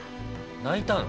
泣いたの？